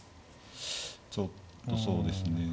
ちょっとそうですね。